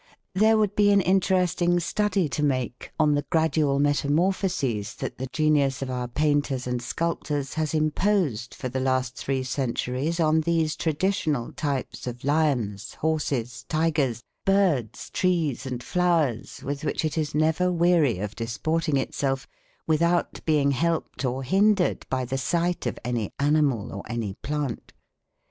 There would be an interesting study to make on the gradual metamorphoses that the genius of our painters and sculptors has imposed for the last three centuries on these traditional types of lions, horses, tigers, birds, trees and flowers, with which it is never weary of disporting itself, without being either helped or hindered by the sight of any animal or any plant.